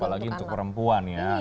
apalagi untuk perempuan ya